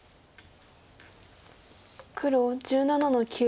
黒１７の九。